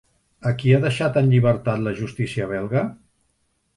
A qui ha deixat en llibertat la justícia belga?